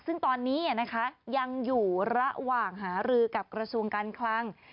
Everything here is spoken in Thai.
ซึ่งตอนนี้ยังอยู่ระหว่างหารือกับกระทรวงการคลัง